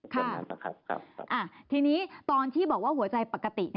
ค่ะทีนี้ตอนที่บอกว่าหัวใจปกติ